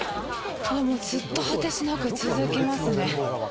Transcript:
ずっと果てしなく続きますね。